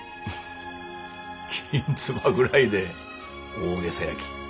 きんつばぐらいで大げさやき。